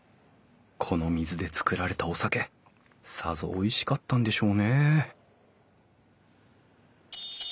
この水で造られたお酒さぞおいしかったんでしょうね